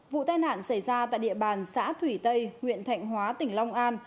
vụ tai nạn xảy ra tại địa bàn xã thủy tây huyện thạnh hóa tỉnh long an